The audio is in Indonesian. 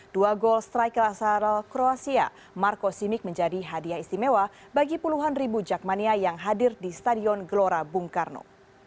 dua gol striker asal kroasia marco simic menjadi hadiah istimewa bagi puluhan ribu jakmania yang hadir di stadion gelora bung karno